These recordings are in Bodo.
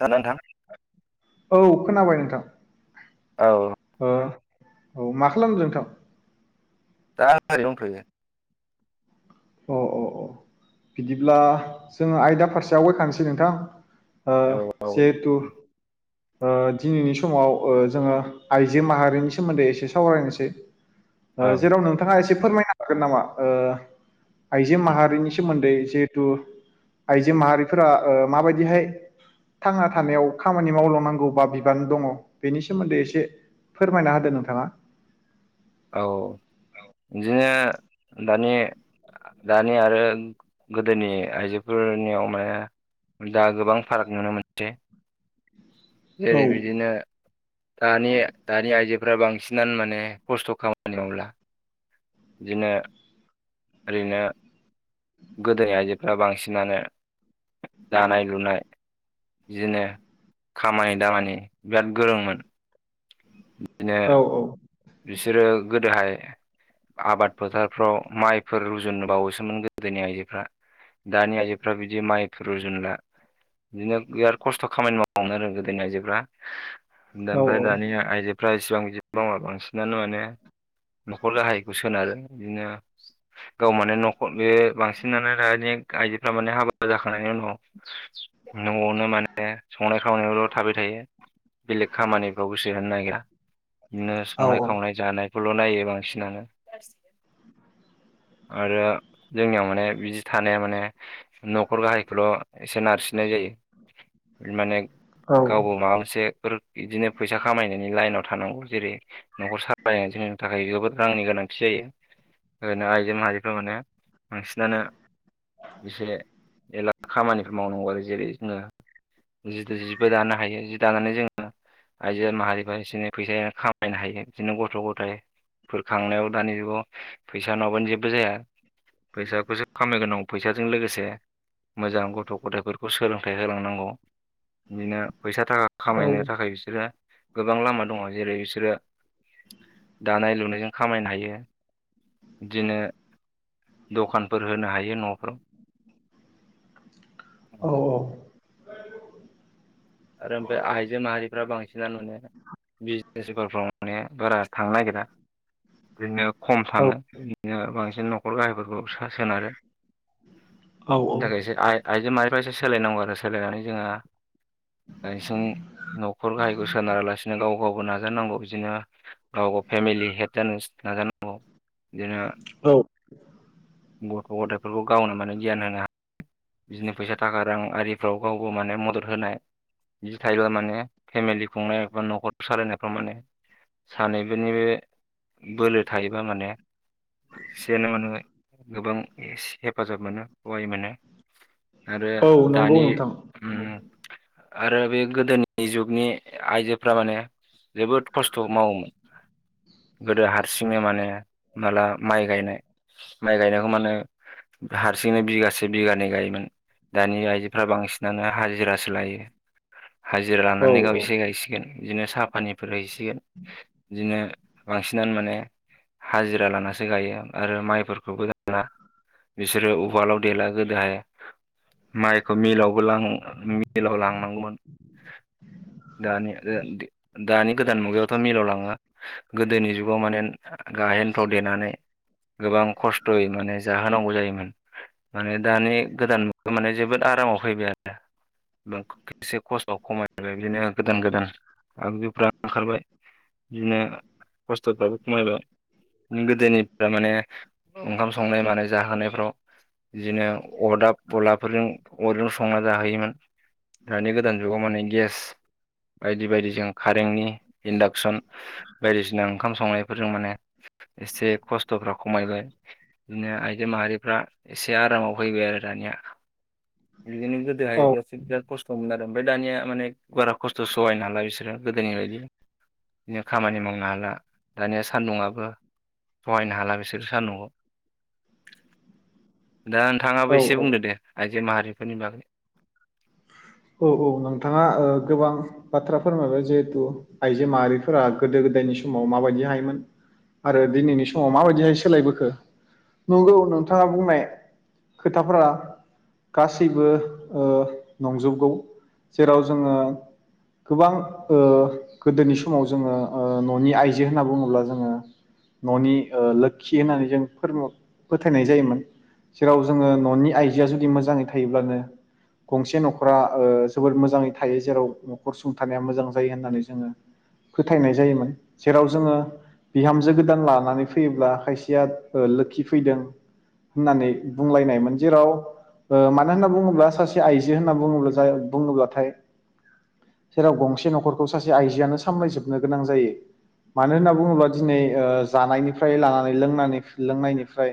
हो नोंथां औ खोनाबाय नोंथां औ ओ औ मा खालामदो नोंथां। दा ओरैनो दंथ'यो। अ अ अ बिदिब्ला जोङो आयदा फारसे आवगायखानोसै नोंथां ओ जेहेथु ओ दिनैनि समाव ओ जोङो आइजो माहारिनि सोमोन्दै एसे सावरायनोसै। ओ औ जेराव नोंथाङा एसे फोरमायनो हागोन नामा ओ आइजो माहारिनि सोमोन्दै जिहेथु आइजो माहारिफोरा ओ माबायदिहाय थांना थानायाव खामानि मावलंनांगौ बा बिबान दङ बेनि सोमोन्दै एसे फोरमायना होदो नोंथाङा औ जोङो दानि दानि आरो गोदोनि आइजोफोरनियाव माने दा गोबां फाराग नुनो मोनसै। औ जेरै बिदिनो दानि दानि आइजोफोरा बांसिनानो माने खस्थ' खामानि मावला। बिदिनो ओरैनो गोदोनि आइजोफोरा बांसिनानो दानाय लुनाय जिनो खामानि दामानि बिराद गोरोंमोन। बिदिनो औ औ बिसोरो गोदोहाय आबाद फोथारफ्राव माइफोर रुजुननो बावोसोमोन गोदोनि आइजोफ्रा। दानि आइजोफ्रा बिदि माइफोर रुजुनला। बिदिनो बिराद खस्थ' खामानि मावनो रोंगो गोदोनि आइजोफ्रा। दा औ ओमफ्राय औ दानि आइजोफ्रा इसिबां बि मावा बांसिनानो माने न'खर गाहायखौ सोनारो बिदिनो गाव माने न'खर बे बांसिनानो आइजोफ्रा माने हाबा जाखांनायनि उनाव न'आवनो माने संनाय खावनायावल' थाबाय थायो बेलेग खामानिफ्राव गोसो होनो नागिरा। बिदिनो औ संनाय खावनाय जानायखौल' नायो बांसिनानो। [unintelligible] [inaudible] आरो जोंनियाव माने बिदि थानाया माने न'खर गाहायखौल' एसे नारसिननाय जायो। जायो माने। औ गावबो माबा मोनसेफोर बिदिनो फैसा खामायनायनि लाइनाव थानांगौ जेरै न'खर सालायनाय जोंनि थाखाय जोबोद रांनि गोनांथि जायो। ओरैनो आइजो माहारिफोरा माने बांसिनानो एसे खामानिफोर मावनांगौ आरो जेरै जोङो जि जि जिबो दानो हायो जि दानानै जोङो आइजो माहारिफ्रा एसे एनै फैसा खामायनो हायो। बिदिनो गथ' गथायफोरखांनायाव दानि जुगाव फैसा नङाबानो जेबो जाया। फैसाखौसो खामायग्रोनांगौ फैसाजों लोगोसे मोजां गथ' गथायफोरखौ सोलोंथाइ होलांनांगौ बिदिनो फैसा थाखा खामायनो थाखाय बिसोरो गोबां लामा दङ जेरै बिसोरो दानाय लुनायजों खामायनो हायो बिदिनो दखानफोर होनो हायो न'फोराव। [unintelligible] [inaudible] औ आरो आमफाया आइजो मा फ्रा बांसिनानो नुनो बिजनेसफ्राव माने बारा थांनो नागिरा ओरैनो खम औ थाङो बिदिनो बांसिन न'खर गाहायफोरखौ सासोनारो बिनि थाखायसो आ-आइजो माहारिफा एसे सोलायनांगौ आरो सोलायनानै जोङो बांसिन न'खर गाहायखौ सोनारालासिनो गाव गावबो नाजानांगौ बिदिनो गाव गाव फेमिलि हेद जानो नाजा नांगौ बिदिनो औ गथ' गथायाइफोरखौ गावना मानो गियान होनो हा बिदिनो फैसा थाखा रां आरिफ्राव गावबो माने मदद होनाय बिदि थायोब्ला माने फेमेलि खुंनाय बा न'खर सालायनायफ्राव माने सानैबोनि बोलो थायोबा माने सेनो मोनोबाय गोबां एस हेफाजाब मोनो सहाय मोनो आरो औ नंगौ दानि नोंथां उम औ आरो बे गोदोनि जुगनि आइजोफ्रा माने जोबोद खस्थ' मावोमोन गोदो हारसिङै माने माला माइ गायनाय माइ गायनायखौ मानो हारसिङैनो बिगासे बिगानै गायोमोन दानि आइजोफ्रा बांसिनानो हाजिरासो लायो। हाजिरा औ लानानै गाव एसे गायसिगोन बिदिनो साहा फानिफोर हैसिगोन बिदिनो बांसिनानो माने हाजिरा लानसो गायो आरो माइफोरखौबो दाना बिसोरो उवालाव देला गोदो हाय माइखौ मिलावबो लां मिलाव लांनांगौमोन दानि ओ दे दानि गोदान मुगायावथ' मिलौलाङा गोदोनि जुगाव माने गा हेनफ्राव देनानै गोबां खस्थ'यै माने जाहोनांगौ जायोमोन माने दानि गोदान मुगायाव माने जोबोद आरामाव फैबाय आरो एसे खस्थ'आव खमायबाय बिदिनो गोदान गोदान आगजुफ्रा ओंखारबाय बिदिनो खस्थ'फ्राबो खमायबाय गोदोनिफ्रा माने ओंखाम संनाय मानाय जाहोनायफ्राव बिदिनो अरदाब अलाफोरजों अरजों संना जाहोयोमोन दानि गोदान जुगाव माने गेस बायदि बायदिजों कारेन्टनि इन्डाक्सन बायदिसिना ओंखाम संनायफोरजों माने एसे खस्थ'फ्रा खमायबाय बिदिनो आइजो माहारिफ्रा एसे आरामाव फैबाय आरो दानिया बिदिनो गोदो औ हाय [unintelligible] [unintelligible] आरो ओमफ्राय दानिया माने बारा खस्थ' सहायनो हाला बिसोरो गोदोनि बायदि। बिदिनो खामानि मावनो हाला दानिया सान्दुंआबो सहायनो हाला बिसोर सान्दुंआव दा नोंथाङाबो औ एसे बुंदो औ दे आइजो माहारिफोरनि बागै औ औ नोंथाङा ओ गोबां बाथ्रा फोरमायबाय जिहेथु आइजो माहारिफोरा गोदो गोदोनि समाव माबायदिहायोमोन आरो दिनैनि समाव माबायदिहाय सोलायबोखो नंगौ नोंथाङा बुंनाय खोथाफोरा गासैबो ओ नंजोबगौ जेराव जोङो गोबां ओ गोदोनि समाव जोङो ओ न'नि आइजो होनना बुङोब्ला जोङो न'नि ओ लोखि होननानै जों फोरम फोथायनाय जायोमोन। जेराव जोङो न'नि आइजोआ जुदि मोजाङै थायोब्लानो गंसे न'ख खरा ओ जोबोर मोजाङै थायो जेराव न'खर सुंथा मोजां जायो होननानै जोङो फोथायनाय जायोमोन जेराव जोङो बिहामजो गोदान लानानै फैयोब्ला खायसेया ओ लोखि फैदों। होननानै बुंलायनायमोन जेराव मानो होनना बुङोब्ला सासे आइजो होनना बुङोब्लाथाय जेराव गंसे न'खरखौ सासे आइजोआनो सामलायजोबनो गोनां जायो मानो होनना बुङोब्ला ओ दिनै जानायनिफ्राय लानानै लोंनायनिफ्राय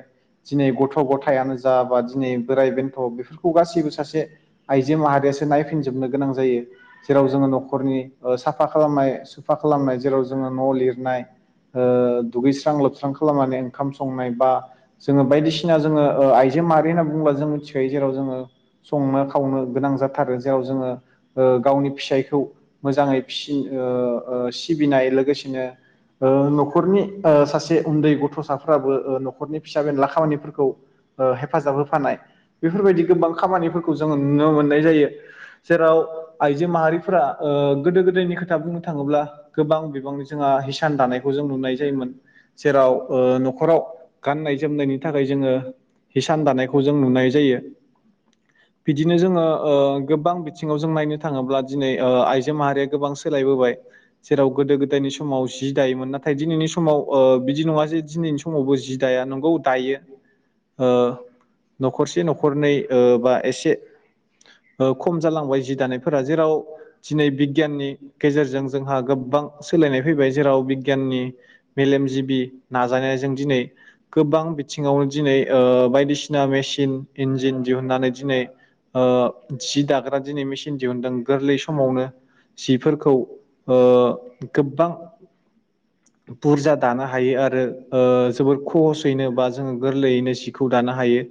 दिनै गथ' गथायानो जा बा दिनै बोराइ बेन्थ' बेफोरखौ गासैबो सासे आइजो माहारियासो नायफिनजोबनो गोनां जायो जेराव जोङो न'खरनि साफा खालामनाय साफा खालामनाय जेराव जोङो न' लिरनाय ओ दुगैस्रां लोबस्रां खालामनानै ओंखाम संनाय बा जोङो बायदिसिना जोङो आइजो माहारि होनना बुंब्ला जों मिथिखायो जेराव जोङो संनो खावनो गोनां जाथारो जेराव जोङो गावनि ओ फिसायखौ मोजाङै फिसिनो सिबिनाय लोगोसेनो ओ न'खरनि ओ सासे उन्दै गथ'साफ्राबो न'खरनि फिसा बेनला खामानिफोरखौ ओ हेफाजाब होफानाय बेफोरबायदि गोबां खामानिफोरखौ जोङो नुनो मोननाय जायो जेराव आइजो माहारिफोरा ओ गोदो गोदायनि खोथा बुंनो थाङोब्ला गोबां बिबांनि जोंहा हिसान दानायखौ जों नुनाय जायोमोन जेराव ओ न'खराव गाननाय जोमनायनि थाखाय जोङो हिसान दानायखौ जों नुनाय जायो बिदिनो जोङो ओ गोबां बिथिङाव जों नायनो थाङोब्ला ओ दिनै आइजो माहारिया गोबां सोलायबोबाय जेराव गोदो गोदायनि समाव जि दायोमोन नाथाय दिनैनि समाव ओ बिदि नङा जे दिनैनि समावबो जि जि दाया नंगौ दायो ओ न'खरसे न'खरनै ओ बा एसे [inaudible] ओ खम जालांबाय जि दानायफोरा जेराव दिनै बिगियाननि गेजेरजों जोंहा गोबां सोलायनाय फैबाय जेराव बिगियाननि मेलेमजिबि नाजानायजों दिनै गोबां बिथिङावनो दिनै ओ बायदिसिना मेसिन इन्जिन दिहुननानै दिनै ओ जि दाग्रा दिनै मेसिन दिहुनदों गोरलै समावनो जिफोरखौ ओ गोबां बुरजा दानो हायो आरो ओ जोबोर खहसयैनो बा जोङो गोरलैयैनो जिखौ दानो हायो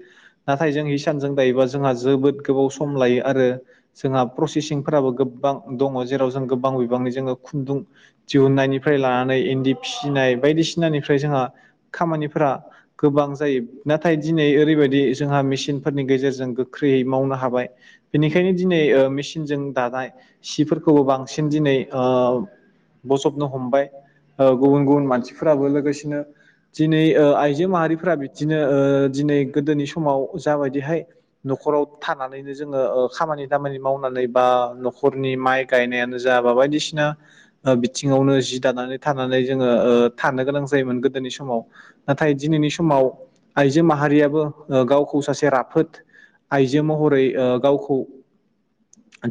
नाथाय जों इ सानजों दायोबा जोंहा जोबोद गोबाव सम लायो आरो जोंहा प्रसेसिंफोराबो गोबां दङ जेराव जों गोबां बिबांनि जोङो खुन्दुं दिहुननायनिफ्राय लानानै इन्दि फिसिनाय बायदिसिनानिफ्राय जोंहा खामानिफोरा गोबां जायो नाथाय दिनै ओरैबायदि जोंहा मेसिनफोरनि गेजेरजों गोख्रैयै मावनो हायो हाबाय बेनिखायनो दिनै मेसिनजों दानाय सिफोरखौबो बांसिन दिनै ओ बजबनो हमबाय गुबुन गुबुन मानसिफोराबो लोगोसेनो दिनै आइजो माहारिफोरा बिदिनो ओ दिनै गोदोनि समाव जाबायदिहाय न'खराव थानानैनो जोङो खामानि दामानि मावनानै बा न'खरनि माइ गायनायानो जाबा बायदिसिना बिथिङावनो जि दानानै थानानै जोङो थानो गोनां जायोमोन गोदोनि समाव नाथाय दिनैनि समाव आइजो माहारियाबो गावखौ सासे राफोद आइजो जो महरै गावखौ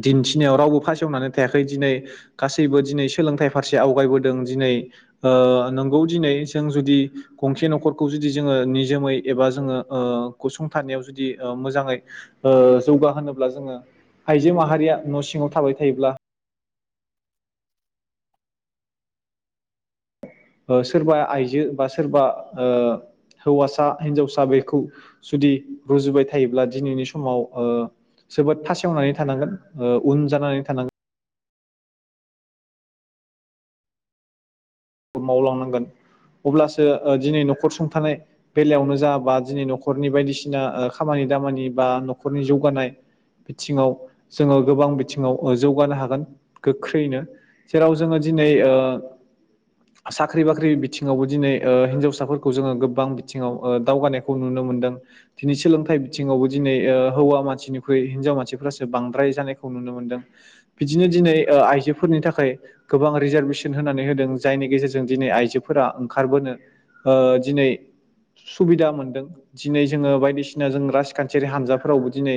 दिन्थिनायाव रावबो फासेवनानै थायाखै दिनै गासैबो दिनै सोलोंथाइ फारसे आवगायबोदों दिनै ओ नोंगौ दिनै जों जुदि गंसे न'खरखौ जुदि जोङो निजोमै एबा जोङो ओ गसंथानायाव जुदि मोजाङै ओ जौगाहोनोब्ला जोङो आइजो माहारिया न' सिङाव थाबाय थायोब्ला सोरबा आइजो बा सोरबा ओ हौवासा हिनजावसा बेखौ जुदि रुजुबबाय थायोब्ला दिनैनि समाव ओ जोबोद फासेवनानै थानांगोन उन जानानै थानांगोन मावलांनांगोन अब्लासो दिनै न'खर सुंथानाय बेलायावनो जाबा दिनै न'खरनि बायदिसिना खामानि दामानि बा न'खरनि जौगानाय बिथिङाव जोङो गोबां बिथिङाव जौगानो हागोन गोख्रैयैनो जेराव जोङो दिनै ओ साख्रि बाख्रि बिथिङावबो दिनै ओ हिन्जावसाफोरखौ जोङो गोबां बिथिङाव ओ दावगानायखौ नुनो मोनदों दिनै सोलोंथाइ बिथिङावबो दिनै ओ हौवा मानसिनिख्रुइ हिनजाव मानसिफोरासो बांद्राय जानायखौ नुनो मोन्दों बिदिनो दिनै ओ आइजोफोरनि थाखाय गोबां रिजारभेसन होनानै होदों जायनि गेजेरजों दिनै आइजोफोरा ओंखारबोनो ओ दिनै सुबिदा मोनदों दिनै जोङो बायदिसिना जों राजखान्थियारि हान्जाफोरावबो दिनै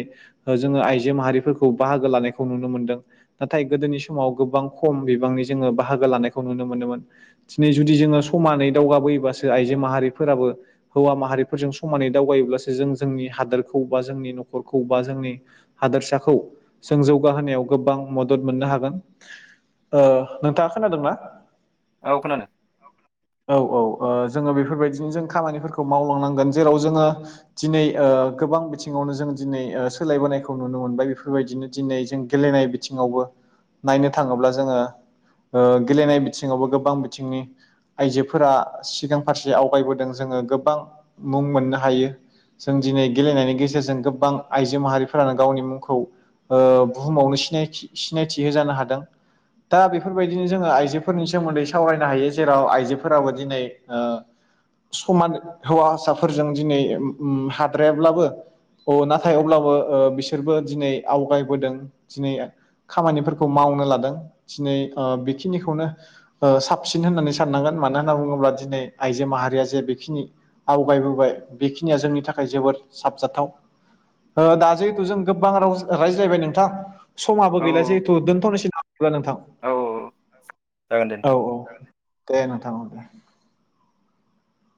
ओ जोङो आइजो माहारिफोरखौ बाहागो लानायखौ नुनो मोनदों नाथाय गोदोनि समाव गोबां खम बिबांनि जोङो बाहागो लानायखौ नुनो मोनोमोन। दिनै जुदि जोङो समानै दावगाबोयोबासो आइजो माहारिफोराबो हौवा माहारिफोरजों समानै दावायोब्लासो जों जोंनि हादोरखौ बा जोंनि न'खरखौ बा जोंनि हादोरसाखौ जों जौगाहोनायाव गोबां मदद मोननो हागोन। ओ नोंथाङा खोनादोंना? औ खोनादों। औ औ ओ जोङो बेफोरबायदिनो जों खामानिफोरखौ मावलांनांगोन जेराव जोङो दिनै ओ गोबां बिथिङावनो जों दिनै ओ सोलायबोनायखौ नुनो मोनबाय बेफोरबायदिनो दिनै जों गेलेनाय बिथिङावबो नायनो थाङोब्ला जोङो ओ गेलेनाय बिथिं ङावबो गोबां बिथिंनि आइजोफोरा सिगां फारसे आवगायबोदों जोङो गोबां मुं मोननो हायो। जों दिनै गेलेनायनि गेजेरजों गोबां आइजो माहारिफोरानो गावनि मुंखौ ओ बुहुमावनो सिनायथि सिनायथि होजानो हादों। दा बेफोरबायदिनो जोङो आइजो फोरनि सोमोन्दै सावरायनो हायो जेराव आइजोफोराबो दिनै ओ समान हौवा साफोरजों दिनै मम-म हाद्रायाब्लाबो अ नाथाय अब्लाबो ओ बिसोरबो दिनै आवगायबोदों। दिनै खामानिफोरखौ मावनो लादों दिनै ओ बेखिनिखौनो साबसिन होननानै साननांगोन मानो होनना बुङोब्ला दिनै आइजो माहारिया जे बेखिनि आवगायबोबाय बेखिनिया जोंनि थाखाय जोबोर साबजाथाव। ओ दा जिहेतु जों गोबां राव रायज्लायबाय नोंथां समाबो औ गैला औ जिहेतु दोनथ'नोसै ना [unintelligible] नोंथां? औ। जागोन दे औ नोंथां औ दे नोंथां दे।